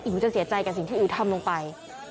หนูจะเสียใจกับสิ่งที่อิ๋วทำลงไป